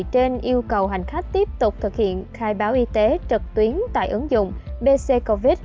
trên yêu cầu hành khách tiếp tục thực hiện khai báo y tế trực tuyến tại ứng dụng bc covid